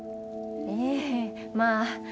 ええまあ。